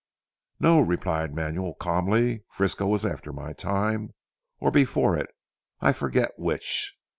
"No!" replied Manuel calmly. "Frisco was after my time, or before it; I forget which."